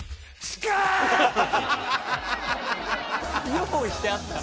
用意してあったの？